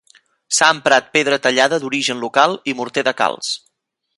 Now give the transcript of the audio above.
S'ha emprat pedra tallada d'origen local i morter de calç.